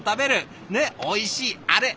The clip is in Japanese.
ねっおいしいあれ。